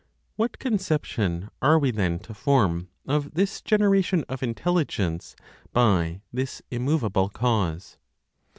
What conception are we then to form of this generation of Intelligence by this immovable Cause?